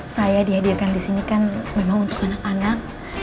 saya dihadirkan di sini kan memang untuk anak anak